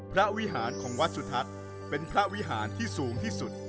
วิหารของวัดสุทัศน์เป็นพระวิหารที่สูงที่สุด